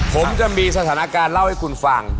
ผมจะมีสถานการณ์เล่าให้คุณฟัง